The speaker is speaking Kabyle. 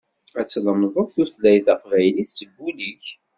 Ad tlemdeḍ tutlyat taqbaylit s wul-ik.